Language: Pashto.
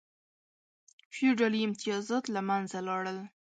فیوډالي امتیازات له منځه لاړل.